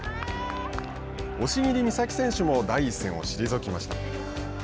押切美沙紀選手も第一線を退きました。